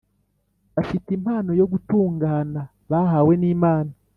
bafite “impano yo gutungana bahawe n’imana